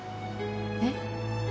えっ？